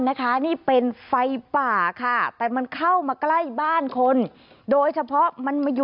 นะคะนี่เป็นไฟป่าค่ะแต่มันเข้ามาใกล้บ้านคนโดยเฉพาะมันมาอยู่